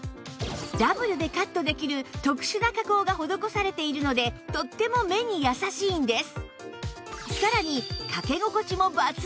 ダブルでカットできる特殊な加工が施されているのでとっても目に優しいんです